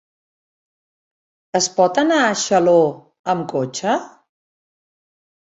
Es pot anar a Xaló amb cotxe?